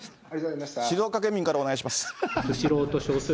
静岡県民からお願いします。